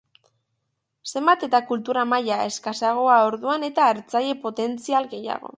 Zenbat eta kultura maila eskasagoa orduan eta hartzaile potentzial gehiago.